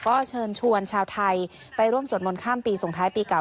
ก็เชิญชวนชาวไทยไปร่วมสวดมนต์ข้ามปีส่งท้ายปีเก่า